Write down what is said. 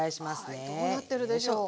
はいどうなってるでしょう。